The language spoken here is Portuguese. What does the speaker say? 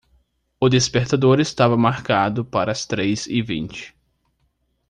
O despertador estava marcado para as três e vinte.